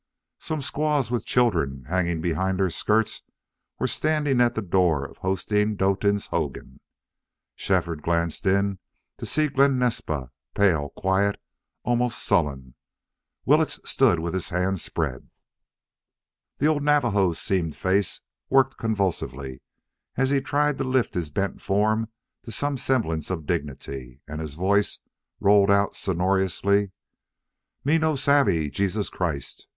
Some squaws with children hanging behind their skirts were standing at the door of Hosteen Doetin's hogan. Shefford glanced in to see Glen Naspa, pale, quiet, almost sullen. Willetts stood with his hands spread. The old Navajo's seamed face worked convulsively as he tried to lift his bent form to some semblance of dignity, and his voice rolled out, sonorously: "Me no savvy Jesus Christ!